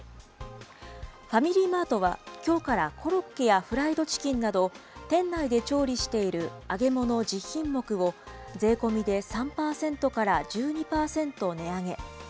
ファミリーマートは、きょうからコロッケやフライドチキンなど、店内で調理している揚げ物１０品目を、税込みで３％から１２％値上げ。